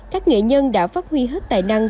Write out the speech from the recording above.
các nghệ nhân đã phát huy hết tài năng